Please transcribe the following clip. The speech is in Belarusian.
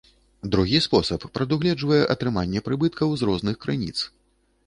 Другі спосаб прадугледжвае атрыманне прыбыткаў з розных крыніц.